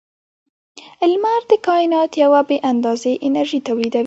• لمر د کائنات یوه بې اندازې انرژي تولیدوي.